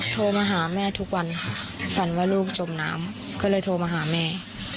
โทรมาหาแม่ทุกวันค่ะฝันว่าลูกจมน้ำก็เลยโทรมาหาแม่